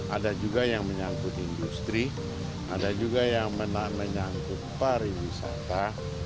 ada juga yang menyangkut industri ada juga yang menyangkut pariwisata